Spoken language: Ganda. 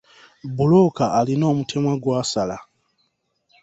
Bbulooka alina omutemwa gw'asala.